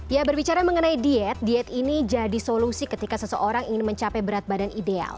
ya berbicara mengenai diet diet ini jadi solusi ketika seseorang ingin mencapai berat badan ideal